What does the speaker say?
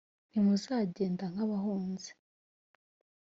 ntimuzagenda nk abahunze